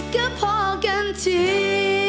ก็พอกันที